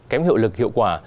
kém hiệu lực hiệu quả